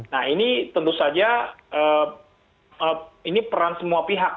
nah ini tentu saja ini peran semua pihak